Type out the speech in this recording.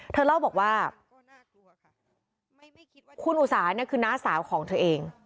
เธอเล่าบอกว่าคุณอุสาเนี่ยคือน้าสาวของเธอเอง